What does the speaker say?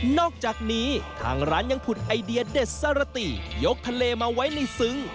อกจากนี้ทางร้านยังผุดไอเดียเด็ดสรติยกทะเลมาไว้ในซึ้ง